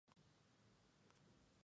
Vive en grandes bandadas.